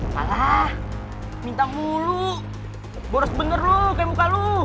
kalah minta mulu boros bener lo kayak muka lo